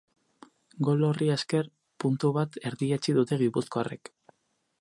Gol horri esker, puntu bat erdietsi dute gipuzkoarrek.